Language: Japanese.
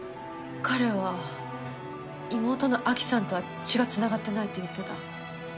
彼は妹のアキさんとは血が繋がってないって言ってた。